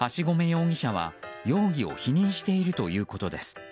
枦込容疑者は容疑を否認しているということです。